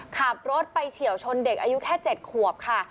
ขับรถไปเฉียวชนเด็กอายุแค่๗ขวบค่ะ